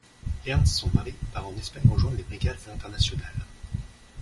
Ernst son mari part en Espagne rejoindre les brigades internationales.